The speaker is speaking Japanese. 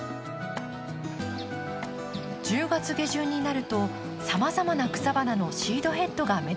１０月下旬になるとさまざまな草花のシードヘッドが目立つように。